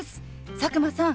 佐久間さん